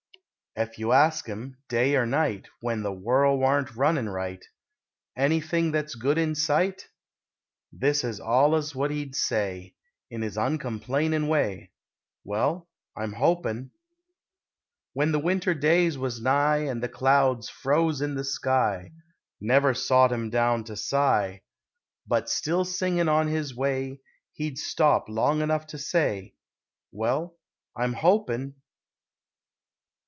Ef you ask him, day or night, When the worl' warn't runnin' right, "Anything that's good in sight?" This is allus what he'd say, In his uncomplainin' way "Well, I'm hopin'." When the winter days waz nigh, An' the clouds froze in the sky, Never sot him down to sigh, But, still singin' on his way, He'd stop long enough to say "Well, I'm hopin'."